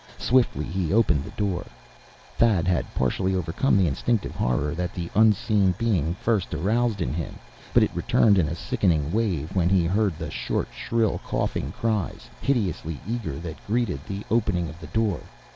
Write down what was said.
Swiftly, he opened the door.... Thad had partially overcome the instinctive horror that the unseen being had first aroused in him. But it returned in a sickening wave when he heard the short, shrill, coughing cries, hideously eager, that greeted the opening of the door.